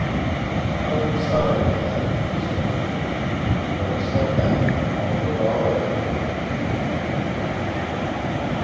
'I am sorry for that,' said Uncle Benjy. 'But step back; I'll put it all right again.'